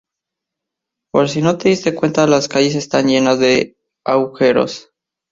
Por si no te diste cuenta las calles están llenas de agujeros.